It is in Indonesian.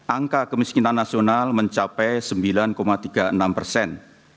angka kemiskinan nasional mencapai sembilan tiga puluh enam persen